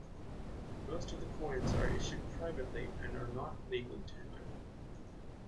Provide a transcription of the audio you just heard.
Most of the coins are issued privately and are not legal tender.